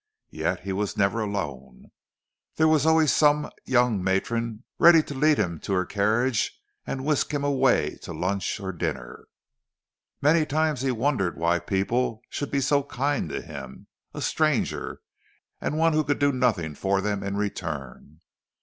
Yet he was never alone—there was always some young matron ready to lead him to her carriage and whisk him away to lunch or dinner. Many times he wondered why people should be so kind to him, a stranger, and one who could do nothing for them in return.